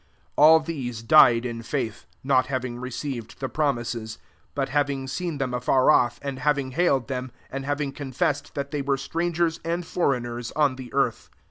13 All these died in faith, not having received the pro mises, but having seen them afar off, and having hailed rileiRi and having confessed that they were strangers and foreigners on the earth.